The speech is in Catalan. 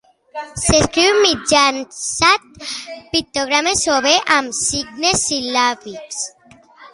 S'escriu mitjançant pictogrames o bé amb signes sil·làbics.